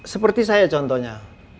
seperti saya contohnya